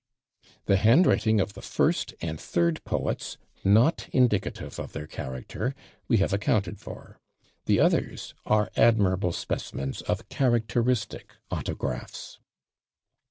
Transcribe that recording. The handwriting of the first and third poets, not indicative of their character, we have accounted for; the others are admirable specimens of characteristic autographs.